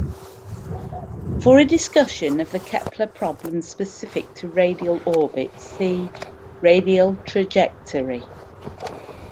For a discussion of the Kepler problem specific to radial orbits, see: Radial trajectory.